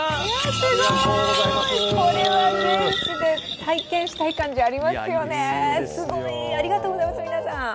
すごーい、これは現地で体験したい感じありますよねありがとうございます、皆さん。